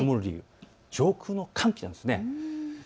上空の寒気なんです。